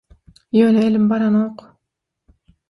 Ýöne elim baranok.